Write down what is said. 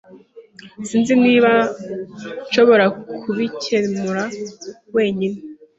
Sinzi niba nshobora kubikemura wenyine.